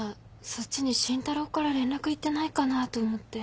そっちに慎太郎から連絡行ってないかなと思って。